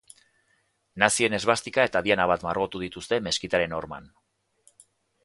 Nazien esbastika eta diana bat margotu dituzte meskitaren horman.